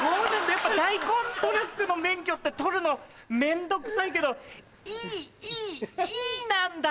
やっぱ大根トラックの免許って取るの面倒くさいけどイイイなんだ！